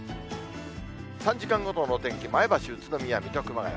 ３時間ごとの天気、前橋、宇都宮、水戸、熊谷。